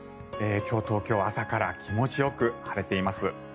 今日、東京は朝から気持ちよく晴れています。